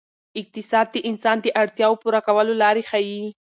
اقتصاد د انسان د اړتیاوو پوره کولو لارې ښيي.